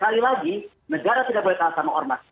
sekali lagi negara tidak boleh kalah sama ormah